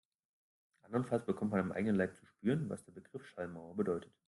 Andernfalls bekommt man am eigenen Leib zu spüren, was der Begriff Schallmauer bedeutet.